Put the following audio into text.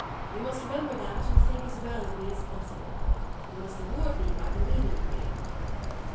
You must remember that and must think as well of me as possible. You must reward me by believing in me."